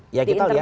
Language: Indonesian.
di internal saja